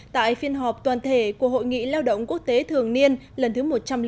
tại phiên họp toàn thể của hội nghị lao động quốc tế thường niên lần thứ một trăm linh